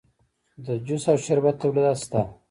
د جوس او شربت تولیدات شته